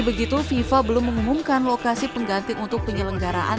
begitu fifa belum mengumumkan lokasi pengganti untuk penyelenggaraan